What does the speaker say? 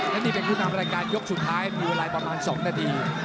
และนี่เป็นผู้นำรายการยกสุดท้ายมีเวลาประมาณ๒นาที